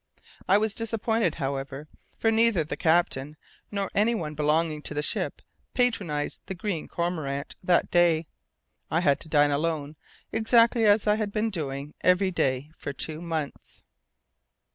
I was disappointed, however, for neither the captain nor anyone belonging to the ship patronized the Green Cormorant that day. I had to dine alone, exactly as I had been doing every day for two months.